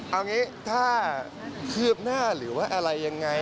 เอางี้ถ้าคืบหน้าหรือว่าอะไรยังไง